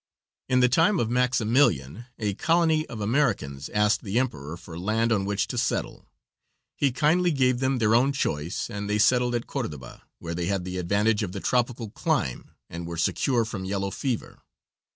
In the time of Maximilian a colony of Americans asked the emperor for land on which to settle. He kindly gave them their own choice, and they settled at Cordoba, where they had the advantage of the tropical clime and were secure from yellow fever.